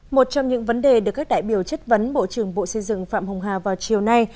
một trong những vấn đề được các đại biểu chất vấn bộ trưởng bộ xây dựng phạm hồng hà vào chiều nay